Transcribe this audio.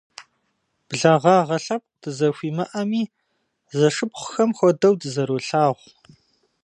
Благъагъэ лъэпкъ дызэхуимыӏэми, зэшыпхъухэм хуэдэу дызэролъагъу.